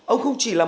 ông không chỉ là